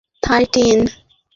তোমার এখনো মনে আছে?